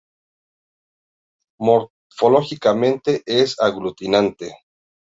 Morfológicamente es aglutinante.